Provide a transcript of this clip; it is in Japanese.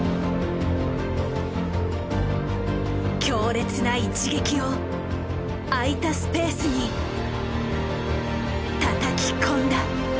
強烈な一撃を空いたスペースにたたき込んだ。